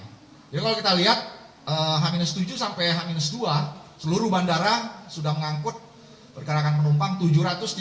jadi kalau kita lihat h tujuh sampai h dua seluruh bandara sudah mengangkut pergerakan penumpang tujuh ratus pergerakan pesawat